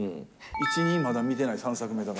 １、２、まだ見てない、３作目から。